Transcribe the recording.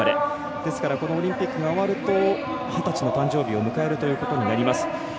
ですからこのオリンピックが終わると二十歳の誕生日を迎えるということになります。